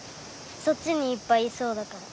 そっちにいっぱいいそうだから。